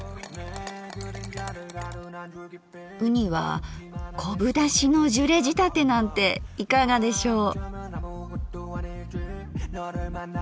うには昆布だしのジュレ仕立てなんていかがでしょう？